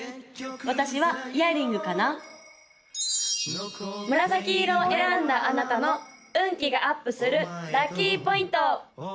・私はイヤリングかな紫色を選んだあなたの運気がアップするラッキーポイント！